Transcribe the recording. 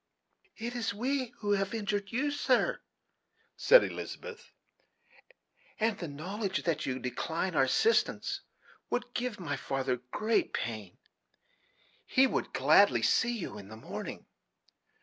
"It is we who have injured you, sir," said Elizabeth; "and the knowledge that you decline our assistance would give my father great pain. He would gladly see you in the morning."